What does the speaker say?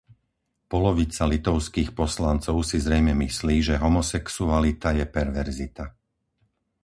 Polovica litovských poslancov si zrejme myslí, že homosexualita je perverzita.